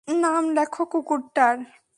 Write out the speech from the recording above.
নাম লেখো কুকুরটার।